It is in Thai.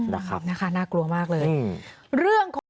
นะคะน่ากลัวมากเลย